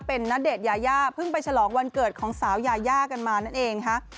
เป็นณเดชน์ยายาเพิ่งไปฉลองวันเกิดของสาวยายากันมานั่นเองค่ะ